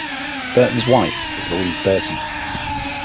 Burton's wife is Louise Burton.